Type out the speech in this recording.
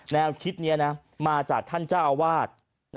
แนวคิดนี้มาจากท่านเจ้าอาวาส